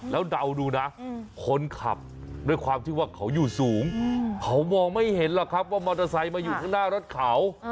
แล้วเดาดูนะคนขับด้วยความที่ว่าเขาอยู่สูงเขามองไม่เห็นหรอกครับว่ามอเตอร์ไซค์มาอยู่ข้างหน้ารถเขา